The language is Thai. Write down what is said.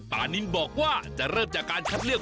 นินบอกว่าจะเริ่มจากการคัดเลือก